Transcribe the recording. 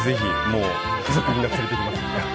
もう家族みんな連れてきます。